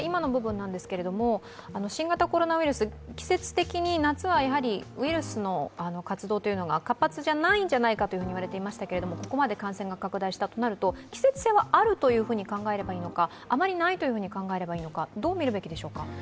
新型コロナウイルス、季節的に夏はやはりウイルスの活動が活発じゃないんじゃないかといわれていましたけどもここまで感染が拡大したとなると季節性はあると考えればいいのか、あまりないと考えればいいのか、どう見るべきでしょうか？